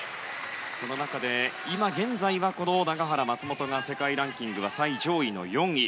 その中で、今現在はこの永原、松本が世界ランキングは最上位の４位。